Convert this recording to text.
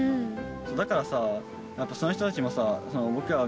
だからその人たちにも。